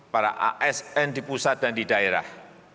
para asn di pusat dan di daerah